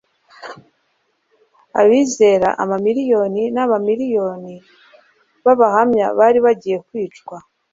Abizera amamiliyoni n'amamiliyoni b'abahamya bari bagiye kwicwa.